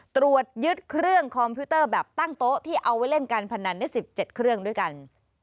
ตรวจยึดเครื่องคอมพิวเตอร์แบบตั้งโต๊ะที่เอาไว้เล่นการพนันได้๑๗เครื่องด้วยกัน